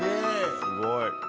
すごい！